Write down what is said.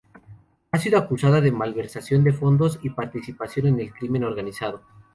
Ha sido acusada de malversación de fondos y participación en el crimen organizado.